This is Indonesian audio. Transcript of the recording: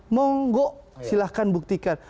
monggo silahkan buktikan